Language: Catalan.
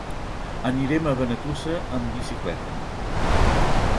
Anirem a Benetússer amb bicicleta.